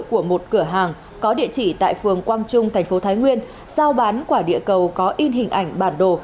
của một cửa hàng có địa chỉ tại phường quang trung thành phố thái nguyên giao bán quả địa cầu có in hình ảnh bản đồ